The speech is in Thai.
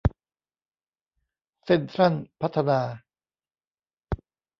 เซ็นทรัลพัฒนา